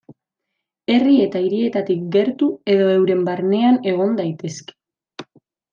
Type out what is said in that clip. Herri eta hirietatik gertu edo euren barnean egon daitezke.